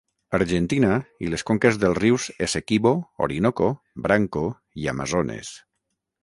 Argentina i conques dels rius Essequibo, Orinoco, Branco i Amazones.